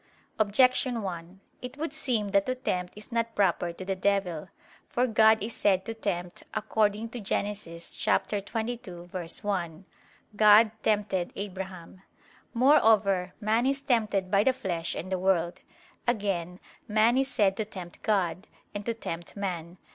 Objection 1: It would seem that to tempt is not proper to the devil. For God is said to tempt, according to Gen. 22:1, "God tempted Abraham." Moreover man is tempted by the flesh and the world. Again, man is said to tempt God, and to tempt man.